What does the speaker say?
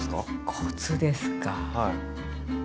コツですか。